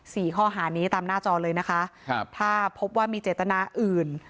สี่ข้อหานี้ตามหน้าจอเลยนะคะครับถ้าพบว่ามีเจตนาอื่น